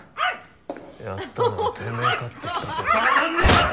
やったのはてめえかって聞いてんだよ。